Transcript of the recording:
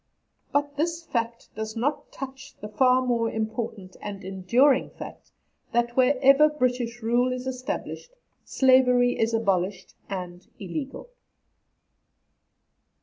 But this fact does not touch the far more important and enduring fact that wherever British rule is established, slavery is abolished, and illegal.